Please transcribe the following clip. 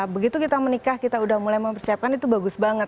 begitu kita menikah kita udah mulai mempersiapkan itu bagus banget